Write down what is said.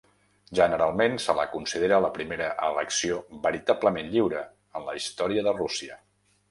Generalment se la considera la primera elecció veritablement lliure en la història de Rússia.